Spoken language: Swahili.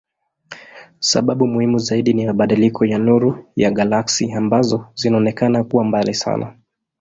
Sababu muhimu zaidi ni mabadiliko ya nuru ya galaksi ambazo zinaonekana kuwa mbali sana.